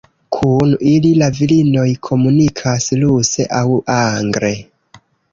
Kun ili la virinoj komunikas ruse aŭ angle.